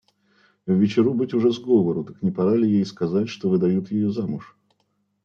Ввечеру быть уже сговору, так не пора ли ей сказать, что выдают ее замуж?